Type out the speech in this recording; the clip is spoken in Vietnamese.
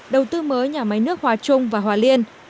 đầu tư mới nhà máy nước hòa trung và hòa liên